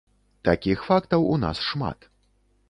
Такіх фактаў у нас шмат.